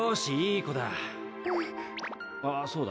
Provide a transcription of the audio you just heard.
あっそうだ。